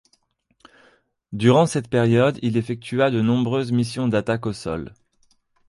Durant cette période, il effectua de nombreuses missions d'attaque au sol.